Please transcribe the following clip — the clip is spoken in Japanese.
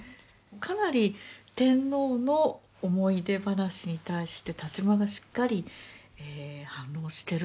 かなり天皇の思い出話に対して田島がしっかり反応してる感じがしますね。